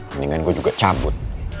mendingan gue juga cabut